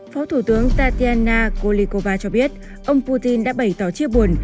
phó thủ tướng tatyana kolikova cho biết ông putin đã bày tỏ chia buồn